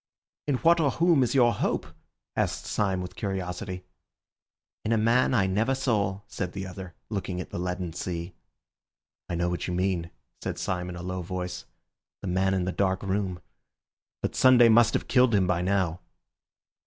"In what or whom is your hope?" asked Syme with curiosity. "In a man I never saw," said the other, looking at the leaden sea. "I know what you mean," said Syme in a low voice, "the man in the dark room. But Sunday must have killed him by now."